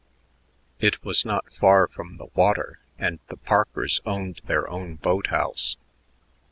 It was not far from the water, and the Parkers owned their own boat house.